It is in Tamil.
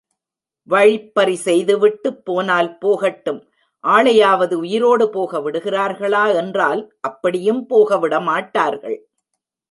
வழிப்பறி செய்துவிட்டுப் போனால் போகட்டும், ஆளையாவது உயிரோடு போக விடுகிறார்களா என்றால், அப்படியும் போக விட மாட்டார்கள்.